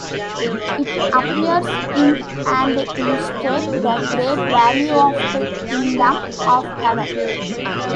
It appears in and illustrates the great value of the Kingdom of Heaven.